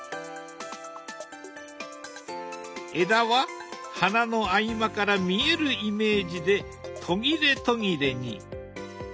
枝は花の合間から見えるイメージで途切れ途切れに。